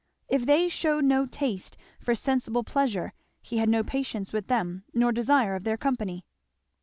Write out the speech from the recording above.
If they shewed no taste for sensible pleasure he had no patience with them nor desire of their company.